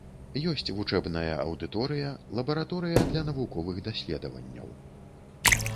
Ёсць вучэбная аўдыторыя, лабараторыя для навуковых даследаванняў.